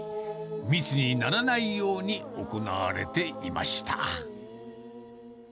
密にならないように、行われていました。